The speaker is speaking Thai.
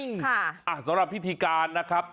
ค่ะสำหรับพิธีการนะครับ